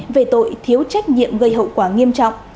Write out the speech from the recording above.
về tội thiếu trách nhiệm gây hậu quả nghiêm trọng